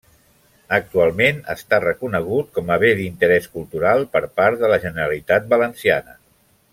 Actualment està reconegut com a Bé d'Interés Cultural per part de la Generalitat Valenciana.